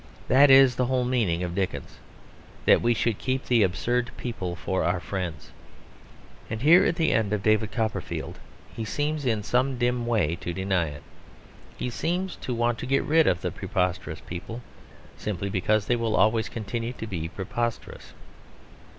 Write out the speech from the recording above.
That is the whole meaning of Dickens; that we should keep the absurd people for our friends. And here at the end of David Copperfield he seems in some dim way to deny it. He seems to want to get rid of the preposterous people simply because they will always continue to be preposterous.